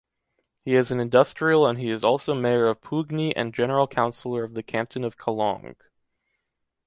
He is an industrial and he is also mayor of Pougny and general councilor of the canton of Collonges.